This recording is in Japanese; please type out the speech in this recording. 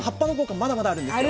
まだまだあるんですよ。